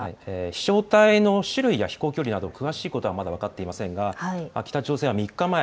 飛しょう体の種類や飛行距離など詳しいことはまだ分かっていませんが北朝鮮は３日前、